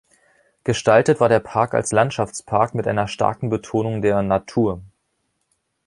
Gestaltet war der Park als Landschaftspark mit einer starken Betonung der „Natur“.